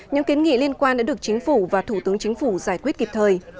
những kiến nghị liên quan đã được chính phủ và thủ tướng chính phủ giải quyết kịp thời